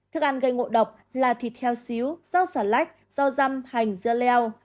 thức ăn gây ngộ độc là thịt heo xíu rau xà lách rau răm hành dưa leo